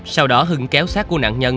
sau đó hưng kéo sát của nạn nhân